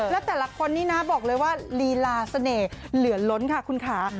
แล้วแต่ละคนนี้นะบอกเลยว่าลีลาเสน่ห์เหลือล้นค่ะคุณค่ะ